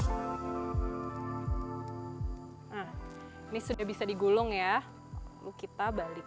nah ini sudah bisa digulung ya lalu kita balik